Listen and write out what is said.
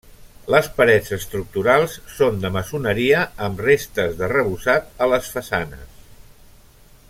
Les parets estructurals són de maçoneria amb restes d'arrebossat a les façanes.